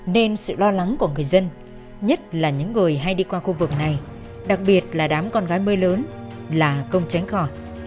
nên sự lo lắng của người dân nhất là những người hay đi qua khu vực này đặc biệt là đám con gái mưa lớn là không tránh khỏi